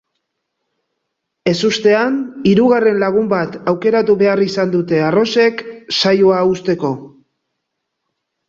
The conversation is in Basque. Ezustean, hirugarren lagun bat aukeratu behar izan dute arrosek saioa uzteko.